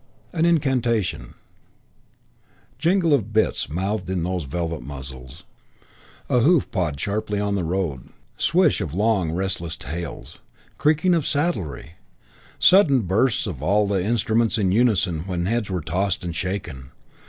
An incantation: jingle of bits mouthed in those velvet muzzles; a hoof pawed sharply on the road; swish of long, restless tails; creaking of saddlery; and sudden bursts of all the instruments in unison when heads were tossed and shaken.